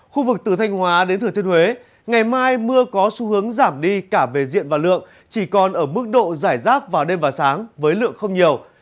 khu vực từ thanh hóa đến thừa thiên huế ngày mai mưa có xu hướng giảm đi cả về diện và lượng chỉ còn ở mức độ giải rác vào đêm và sáng với lượng không nhiều